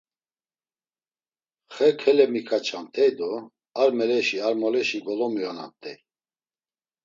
Xe kelemiǩaçamt̆ey do ar meleşi ar moleşi golomiyonamt̆ey.